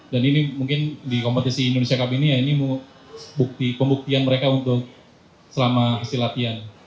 dan ini mungkin di kompetisi indonesia cup ini ya ini bukti pembuktian mereka untuk selama hasil latihan